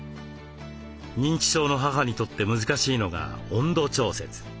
認知症の母にとって難しいのが温度調節。